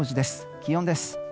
気温です。